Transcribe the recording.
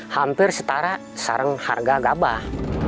hampir setara sarang harga gabah